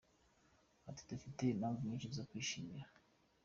Ati “Dufite impamvu nyinshi zo kwishimira.